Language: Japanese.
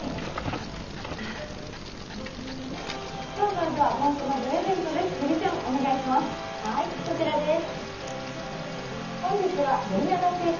それでは今週のプレゼントです。